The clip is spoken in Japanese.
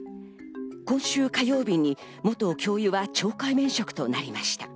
今週火曜日に元教諭は懲戒免職となりました。